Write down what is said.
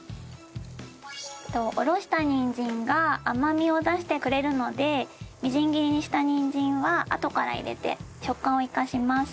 おろしたにんじんが甘みを出してくれるのでみじん切りにしたにんじんはあとから入れて食感を生かします。